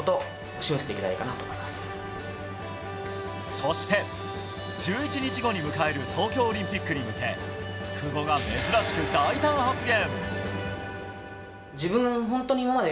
そして、１１日後に迎える東京オリンピックに向け久保が珍しく大胆発言！